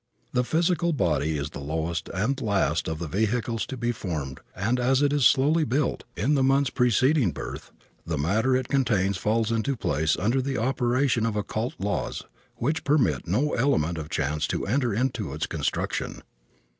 The physical body is the lowest and last of the vehicles to be formed and as it is slowly built, in the months preceding birth, the matter it contains falls into place under the operation of occult laws which permit no element of chance to enter into its construction.